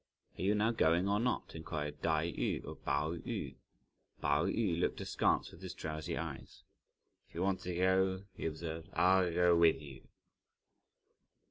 "Are you now going or not?" inquired Tai yü of Pao yü. Pao yü looked askance with his drowsy eyes. "If you want to go," he observed, "I'll go with you."